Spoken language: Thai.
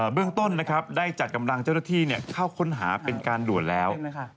เบื้องต้นนะครับได้จัดกำลังเจ้าหน้าที่เข้าค้นหาเป็นการด่วนแล้ว